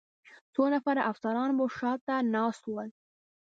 څو نور افسران به شا ته ناست ول.